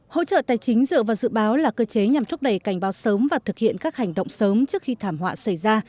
hỗ trợ tài chính dựa vào dự báo là cơ chế nhằm thúc đẩy cảnh báo sớm và thực hiện các hành động sớm trước khi thảm họa xảy ra